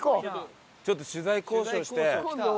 ちょっと取材交渉して。